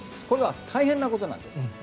これは大変なことです。